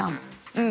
うん。